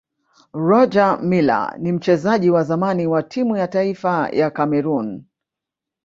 rogermiller ni mchezaji wa zamani wa timu ya taifa ya cameroon